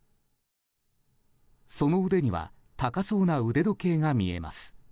その腕には高そうな腕時計が見えます。